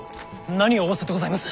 何を仰せでございます。